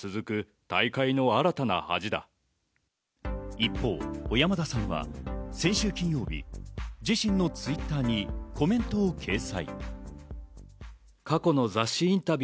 一方、小山田さんは先週金曜日、自身のＴｗｉｔｔｅｒにコメントを掲載。